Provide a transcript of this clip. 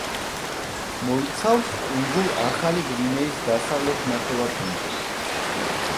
მოიცავს კუნძულ ახალი გვინეის დასავლეთ ნახევარკუნძულს.